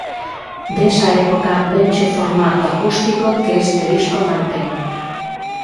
Desa época venche o formato acústico que este disco mantén.